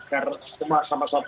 nah yang sedang kembali cukup gw